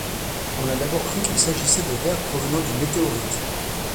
On a d'abord cru qu'il s'agissait de verre provenant d'une météorite.